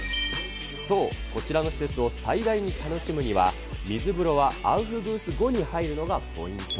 そう、こちらの施設を最大に楽しむには、水風呂はアウフグース後に入るのがポイント。